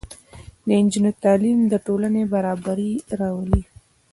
د نجونو تعلیم د ټولنې برابري راولي.